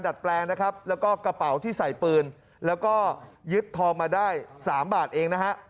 แปลงนะครับแล้วก็กระเป๋าที่ใส่ปืนแล้วก็ยึดทองมาได้๓บาทเองนะฮะ